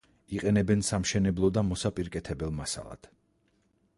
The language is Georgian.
იყენებენ სამშენებლო და მოსაპირკეთებელ მასალად.